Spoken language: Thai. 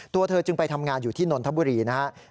ตัวเธอจึงไปทำงานอยู่ที่นนทบุรีนะครับ